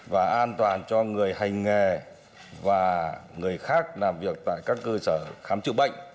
và an toàn cho người hành nghề và người khác làm việc tại các cơ sở khám chữa bệnh